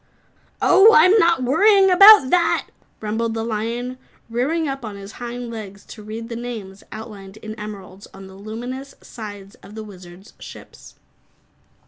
"Oh, I'm not worrying about that!" rumbled the lion, rearing up on his hind legs to read the names outlined in emeralds on the luminous sides of the Wizard's ships.